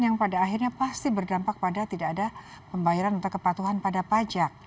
yang pada akhirnya pasti berdampak pada tidak ada pembayaran atau kepatuhan pada pajak